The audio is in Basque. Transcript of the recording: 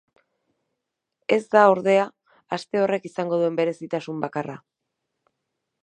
Ez da, ordea, aste horrek izango duen berezitasun bakarra.